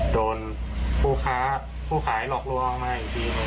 โดนผู้ค้าผู้ขายหลอกลวงออกมาอีกทีหนึ่ง